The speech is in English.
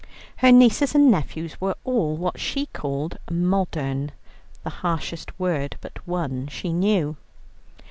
Her nieces and nephews were all what she called "modern," the harshest word but one she knew.